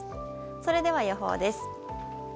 それでは予報です。